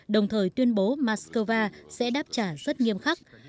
đồng thời tuyên bố moscow sẽ đáp trả rất nghiêm khắc